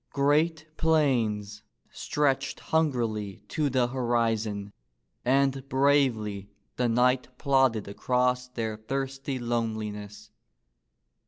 Great plains stretched hungrily to the horizon, and bravely the knight plodded across their thirsty loneliness.